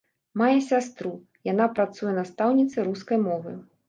Мае сястру, яна працуе настаўніцай рускай мовы.